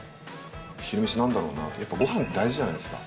昼飯なんだろうなって、やっぱごはんって大事じゃないですか。